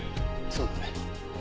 そうだね。